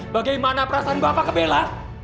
bagaimana perasaan bapak ke bella